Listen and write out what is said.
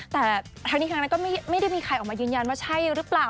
แต่ทั้งนี้ทั้งนั้นก็ไม่ได้มีใครออกมายืนยันว่าใช่หรือเปล่า